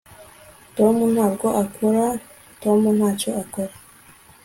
tom ntabwo akora tom ntacyo akora